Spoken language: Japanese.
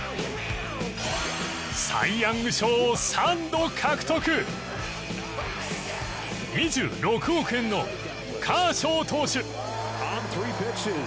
サイ・ヤング賞を３度獲得２６億円のカーショー投手。